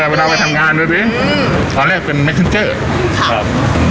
เวลาไปทำงานดูสิอืมตอนแรกเป็นเคนเจอร์ครับ